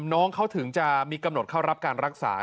น้องเขาถึงจะมีกำหนดเข้ารับการรักษา